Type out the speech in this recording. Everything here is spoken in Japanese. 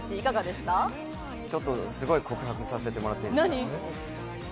すごい告白させてもらっていいですか？